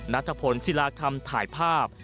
นัทพลศิลาคำถ่ายภาพ